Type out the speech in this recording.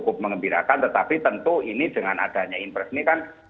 cukup mengembirakan tetapi tentu ini dengan adanya impres ini kan